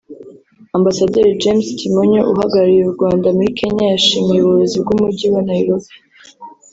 Ambasaderi James Kimonyo uhagarariye u Rwanda muri Kenya yashimiye ubuyobozi bw’Umujyi wa Nairobi